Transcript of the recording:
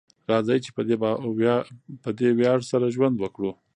راځئ چې په دې ویاړ سره ژوند وکړو.